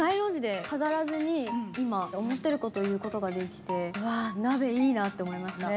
飾らずに今思ってること言うことができてうわＮＡＢＥいいなって思いました。